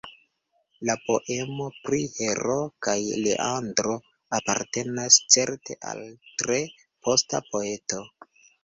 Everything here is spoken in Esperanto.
La poemo pri Hero kaj Leandro apartenas certe al tre posta poeto.